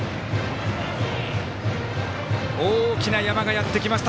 大きな山がやってきました